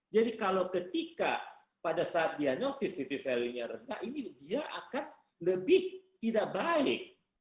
jadi kalau ketika pada saat dia nyosip city value nya rendah ini dia akan lebih tidak baik